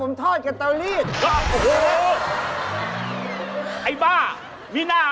เป็นเตอรีสไอน้ำด้วยนะ